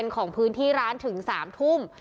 ของพื้นที่ร้านถึง๓ทุ่ม